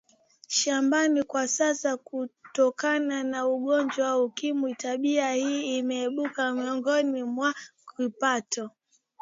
shambani Kwa sasa kutokana na ugonjwa wa ukimwi tabia hii imepungua miongoni mwaoKipato